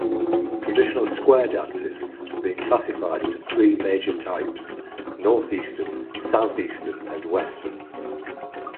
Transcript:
Traditional square dances have been classified into three major types: Northeastern, Southeastern, and Western.